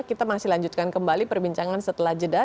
kita masih lanjutkan kembali perbincangan setelah jeda